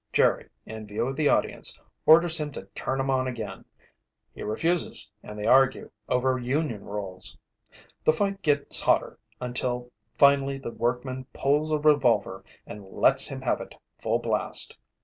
Jerry, in view of the audience, orders him to turn 'em on again. He refuses an' they argue over union rules. The fight gets hotter until finally the workman pulls a revolver and lets him have it full blast.